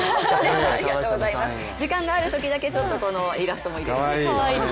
時間があるときだけイラストも入れています。